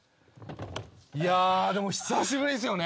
いやでも久しぶりですよね。